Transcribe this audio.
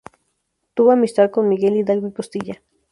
Tuvo amistad con Miguel Hidalgo y Costilla.